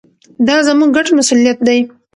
دا زموږ ګډ مسوولیت دی.